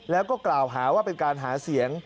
แล้วก็กล่าวหาว่าเป็นการหาเสียง